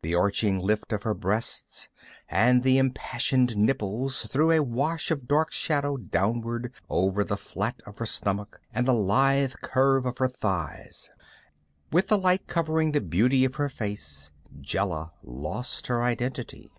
The arching lift of her breasts and the impassioned nipples threw a wash of dark shadow downward over the flat of her stomach and the lithe curve of her thighs. With the light covering the beauty of her face, Jela lost her identity.